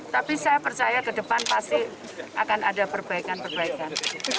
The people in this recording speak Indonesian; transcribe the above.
tapi saya percaya ke depan pasti akan ada perbaikan perbaikan